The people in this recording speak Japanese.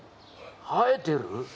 生えてる？